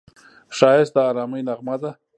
ښایست د ارامۍ نغمه ده